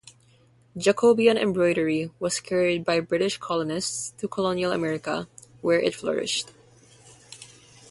Jacobean embroidery was carried by British colonists to Colonial America, where it flourished.